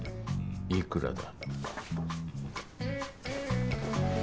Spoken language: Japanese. いくらだ？